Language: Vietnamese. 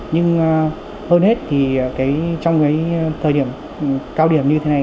nhưng hơn hết thì trong cái thời điểm cao điểm như thế này